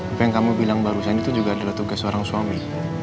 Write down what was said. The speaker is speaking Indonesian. apa yang kamu bilang barusan itu juga adalah tugas seorang suami